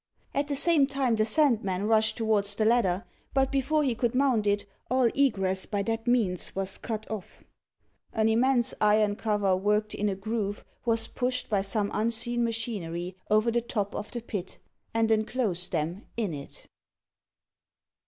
At the same time the Sandman rushed towards the ladder, but before he could mount it all egress by that means was cut off. An immense iron cover worked in a groove was pushed by some unseen machinery over the top of the pit, and enclosed them in it.